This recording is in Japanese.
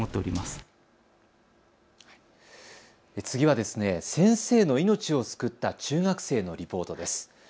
次は先生の命を救った中学生のリポートです。